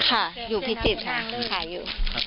ค่ะอยู่พิจิปต์ค่ะ